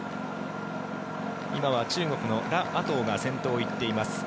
今は中国のラ・アトウが先頭を行っています。